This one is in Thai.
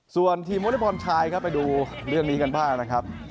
ส่วนทีมโมเลพอร์ชายไปดูเรื่องนี้กันบ้างนะครับ